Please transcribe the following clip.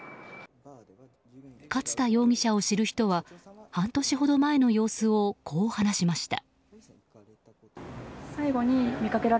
勝田容疑者を知る人は半年ほど前の様子をこう話しました。